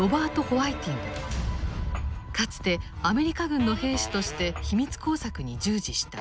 かつてアメリカ軍の兵士として秘密工作に従事した。